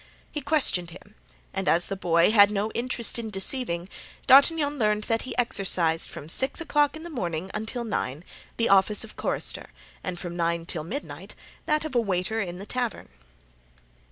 He questioned him, and as the boy had no interest in deceiving, D'Artagnan learned that he exercised, from six o'clock in the morning until nine, the office of chorister, and from nine o'clock till midnight that of a waiter in the tavern.